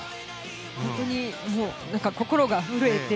本当に心が震えて。